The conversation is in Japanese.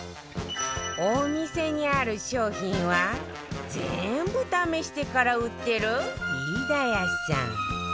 お店にある商品は全部試してから売ってる飯田屋さん